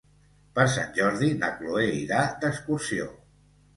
Per Sant Jordi na Chloé irà d'excursió.